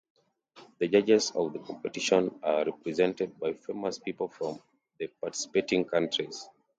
The judges of the competition are represented by famous people from the participating countries.